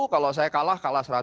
kalau saya kalah kalah seratus